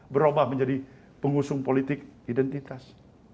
berubah menjadi pengusung politik identitas